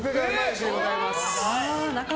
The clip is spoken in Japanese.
主でございます。